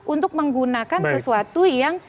untuk menggunakan sesuatu yang